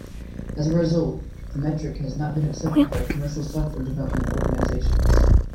As a result, the metric has not been accepted by commercial software development organizations.